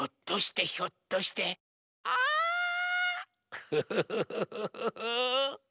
クフフフフフフ。